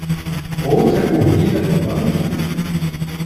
Outra corrida no banco?